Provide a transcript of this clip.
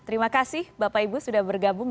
terima kasih bapak ibu sudah bergabung